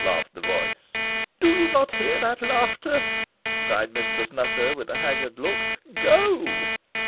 laughed the voice. "Do you not hear that laughter?" cried Mistress Nutter, with a haggard look. "Go!"